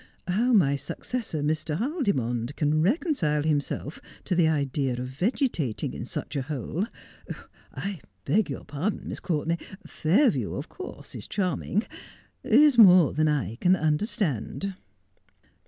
How my successor, Mr. Haldimond, can reconcile himself to the idea of vegetating in such a hole — I beg your pardon, Miss Courtenay ; Fairview, of course, is charming — is more than I can understand.'